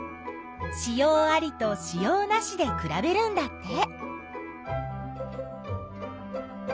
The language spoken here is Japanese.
子葉ありと子葉なしでくらべるんだって。